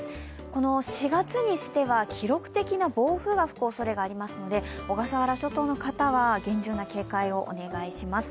この４月にしては記録的な暴風が吹くおそれがあるので小笠原諸島の方は厳重な警戒をお願いします。